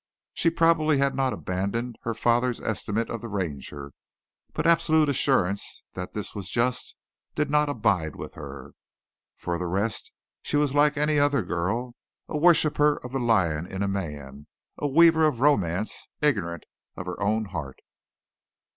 She probably had not abandoned her father's estimate of the Ranger but absolute assurance that this was just did not abide with her. For the rest she was like any other girl, a worshipper of the lion in a man, a weaver of romance, ignorant of her own heart.